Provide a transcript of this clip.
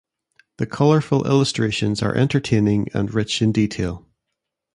The colorful illustrations are entertaining and rich in detail.